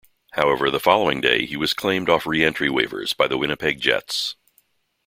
However, the following day he was claimed off re-entry waivers by the Winnipeg Jets.